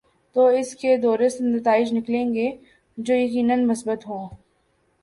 تو اس کے دوررس نتائج نکلیں گے جو یقینا مثبت ہوں۔